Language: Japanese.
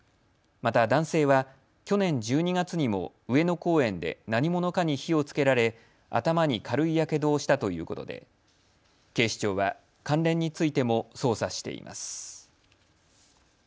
また男性は去年１２月にも上野公園で何者かに火をつけられ頭に軽いやけどをしたということで警視庁は関連についても捜査しています。